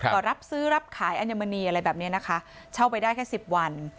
ก็รับซื้อรับขายอัญมณีอะไรแบบนี้นะคะเช่าไปได้แค่สิบวัน